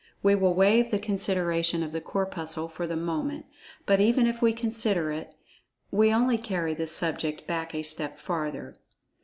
We will waive the consideration of the Corpuscle, for the moment, but even if we consider it, we only carry the subject back a step farther.